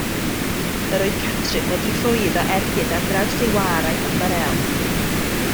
Yr oedd Catrin wedi rhoi iddo ergyd ar draws ei war â'i hymbarél.